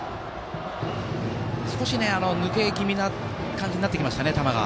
少し球が抜け気味な感じになってきましたね。